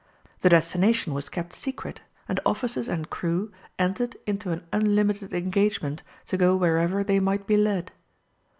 The destination was kept secret, and officers and crew entered into an unlimited engagement to go wherever they might be led.